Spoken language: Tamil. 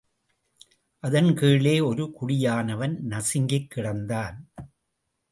அதன் கீழே, ஒரு குடியானவன் நசுங்கிக் கிடந்தான்.